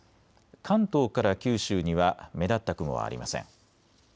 関東から九州には目立った雲はありません。